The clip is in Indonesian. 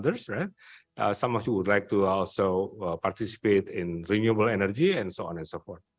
beberapa dari anda ingin pergi ke area infrastruktur seperti jalan tinggi ekspansi terbang dan lain lain